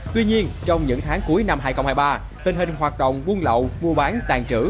tuy nhiên trong những tháng cuối năm hai nghìn hai mươi ba tình hình hoạt động buôn lậu mua bán tàn trữ